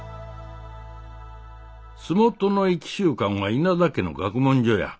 洲本の益習館は稲田家の学問所や。